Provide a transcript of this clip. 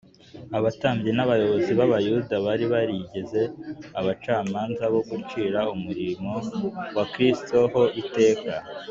Abatambyi n’abayobozi b’Abayuda bari barigize abacamanza bo gucira umurimo wa Kristo ho iteka